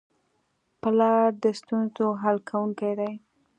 پلار د ستونزو حل کوونکی دی.